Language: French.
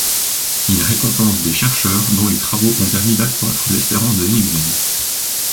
Il récompense des chercheurs dont les travaux ont permis d'accroître l'espérance de vie humaine.